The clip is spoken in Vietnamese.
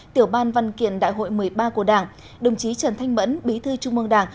tiểu ban văn kiện đại hội một mươi ba của đảng đồng chí trần thanh mẫn bí thư trung mương đảng